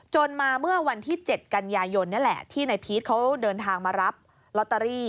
มาเมื่อวันที่๗กันยายนนี่แหละที่นายพีชเขาเดินทางมารับลอตเตอรี่